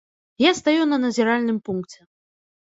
Я стаю на назіральным пункце.